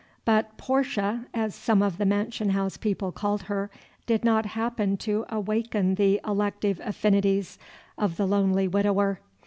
But "Portia," as some of the mansion house people called her, did not happen to awaken the elective affinities of the lonely widower.